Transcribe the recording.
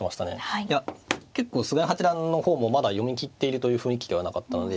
いや結構菅井八段の方もまだ読み切っているという雰囲気ではなかったので。